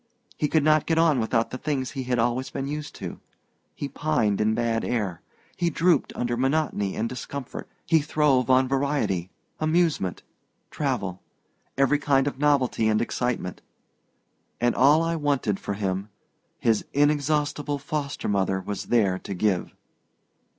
He could not get on without the things he had always been used to. He pined in bad air; he drooped under monotony and discomfort; he throve on variety, amusement, travel, every kind of novelty and excitement. And all I wanted for him his inexhaustible foster mother was there to give!